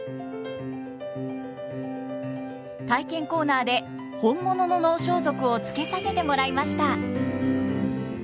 体験コーナーで本物の能装束を着けさせてもらいました。